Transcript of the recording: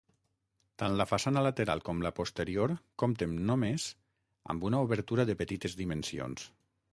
Tant la façana lateral com la posterior compten només amb una obertura de petites dimensions.